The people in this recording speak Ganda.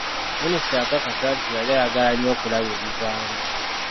Minisita yakakasa nti yali ayagala nnyo okulaba ebivaamu .